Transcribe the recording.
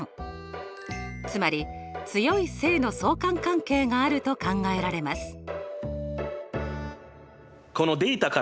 つまり強い正の相関関係があると考えられます。